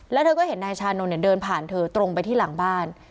แล้วเธอก็เห็นนายชานนท์เนี่ยเดินผ่านเธอตรงไปที่หลังบ้าน